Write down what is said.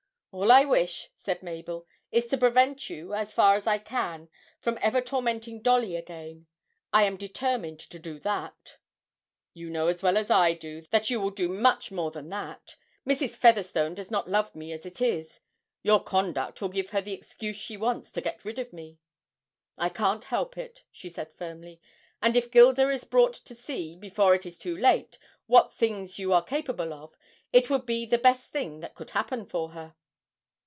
'All I wish,' said Mabel, 'is to prevent you as far as I can from ever tormenting Dolly again I am determined to do that!' 'You know as well as I do that you will do much more than that. Mrs. Featherstone does not love me as it is: your conduct will give her the excuse she wants to get rid of me!' 'I can't help it,' she said firmly. 'And if Gilda is brought to see, before it is too late, what things you are capable of, it would be the best thing that could happen for her.'